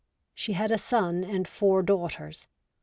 She had a son and four daughters.